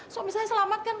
suami saya selamat pak